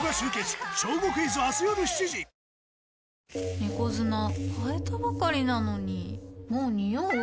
猫砂替えたばかりなのにもうニオう？